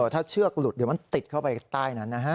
ถ้าเชือกหลุดเดี๋ยวมันติดเข้าไปใต้นั้นนะฮะ